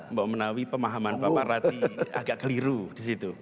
mbak menawi pemahaman pak rati agak keliru di situ